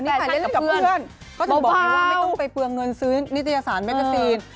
นี่ค่ะเล่นกับเพื่อนก็จะบอกได้ว่าไม่ต้องไปเปลืองเงินซื้อนิตยสารเมกาซีน